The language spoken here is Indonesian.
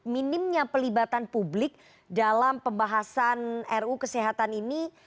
minimnya pelibatan publik dalam pembahasan ruu kesehatan ini